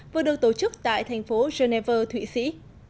vừa được tổ chức tại thành phố geneva thụy sĩ